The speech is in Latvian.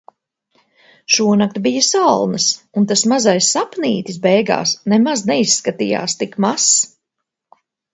Šonakt bija salnas. Un tas mazais sapnītis beigās nemaz neizskatījās tik mazs.